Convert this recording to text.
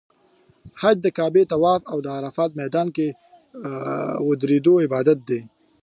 حج د کعبې طواف او د عرفات میدان کې د ودریدو عبادت دی.